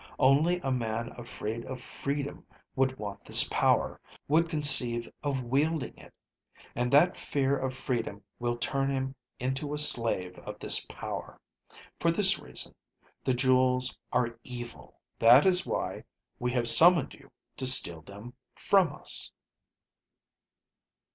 Only a man afraid of freedom would want this power, would conceive of wielding it. And that fear of freedom will turn him into a slave of this power. For this reason, the jewels are evil. That is why we have summoned you to steal them from us."